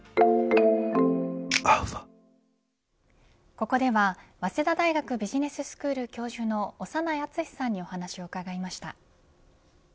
ここでは早稲田大学ビジネススクール教授の長内厚さんにお話を伺いました。